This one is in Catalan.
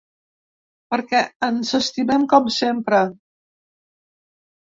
Perquè ens estimem com sempre.